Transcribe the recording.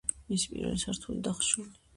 მისი პირველი სართული დახშულია.